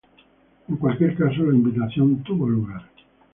En cualquier caso, la invitación tuvo lugar.